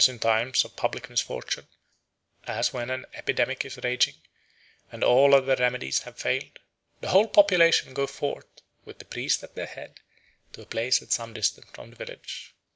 Hence in times of public misfortune, as when an epidemic is raging, and all other remedies have failed, the whole population go forth with the priest at their head to a place at some distance from the village.